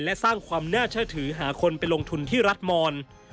และสร้างความน่าเชื่อถือหาคนไปลงทุนที่รัฐมอน